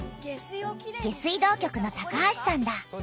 下水道局の橋さんだ。